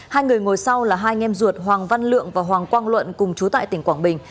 hai người ngồi sau là hai nghem ruột hoàng văn lượng và hoàng quang luận cùng chú tại tỉnh quảng bình